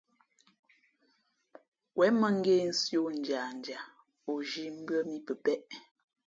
Wěn mᾱ ngēsī o ndiandia o zhī mbʉ̄ᾱ mǐ pəpēʼ.